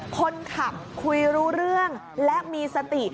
คนขับคุยรู้เรื่องและมีสติ